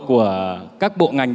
của các bộ ngành